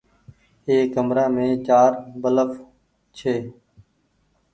اي ڪمرآ مين چآر بلڦ ڇي۔